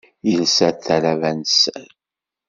Ilsa talaba n sser.